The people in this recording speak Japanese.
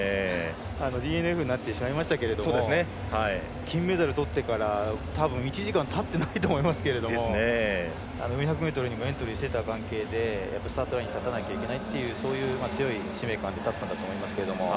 ＤＮＦになってしまいましたけど金メダルをとってから１時間たっていないと思いますけど１００ｍにもエントリーしてた関係で走らなきゃいけないとそういう強い使命感で立っていたと思いますけど。